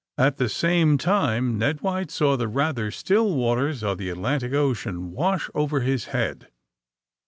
At the same time Ned White saw the rather still waters of the Atlantic Ocean wash over his head.